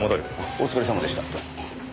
お疲れさまでした。